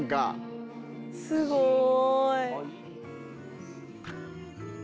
すごい。